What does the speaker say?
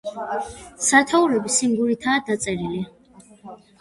სათაურები სინგურითაა დაწერილი.